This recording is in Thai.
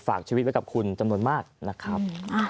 ฝากชีวิตไว้กับคุณจำนวนมากนะครับ